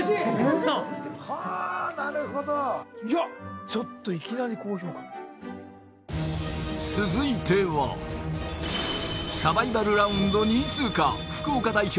はあーなるほどいやちょっといきなり高評価続いてはサバイバルラウンド２位通過福岡代表